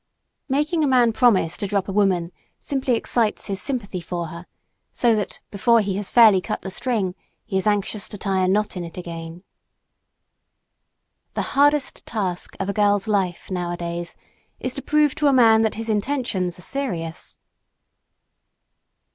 Making a man promise to drop a woman simply excites his sympathy for her, so that, before he has fairly cut the string, he is anxious to tie a knot in it again. The hardest task of a girl's life, nowadays, is to prove to a man that his intentions are serious.